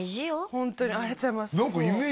ホントにありがとうございます